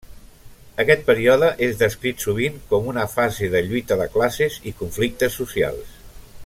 Aquest període és descrit sovint com una fase de lluita de classes i conflictes socials.